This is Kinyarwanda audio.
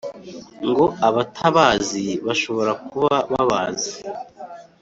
ngo abatabazi bashobora kuba babazi